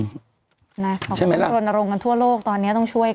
ใช่ไหมล่ะใช่ไหมล่ะขอขอให้เราลงกันทั่วโลกตอนนี้ต้องช่วยกัน